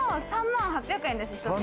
３万８００円です、一つ。